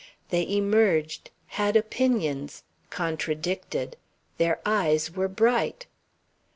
They emerged, had opinions, contradicted, their eyes were bright.